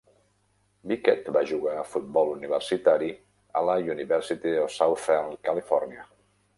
Bickett va jugar a futbol universitari a la University of Southern California.